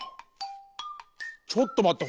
ちょっとまって！